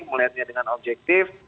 melihatnya dengan objektif